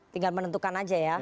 tinggal menentukan aja ya